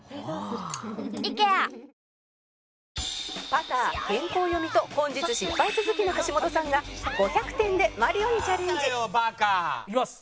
パター原稿読みと本日失敗続きの橋本さんが５００点で『マリオ』にチャレンジいきます。